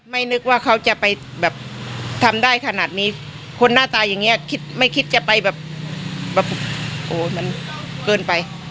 นึกว่าเขาจะไปแบบทำได้ขนาดนี้คนหน้าตาอย่างนี้คิดไม่คิดจะไปแบบโอ้มันเกินไป